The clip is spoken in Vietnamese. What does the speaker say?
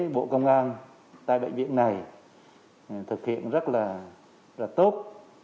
bộ công an tại bệnh viện này thực hiện rất là tốt